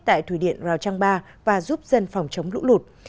tại thủy điện rào trang ba và giúp dân phòng chống lũ lụt